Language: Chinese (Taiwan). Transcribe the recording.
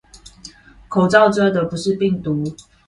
口罩遮的不是病毒